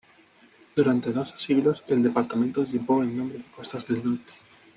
Durante dos siglos el departamento llevó el nombre de Costas del Norte.